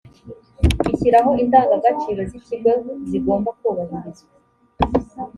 ishyiraho indangagaciro z ‘ikigo zigomba kubahirizwa.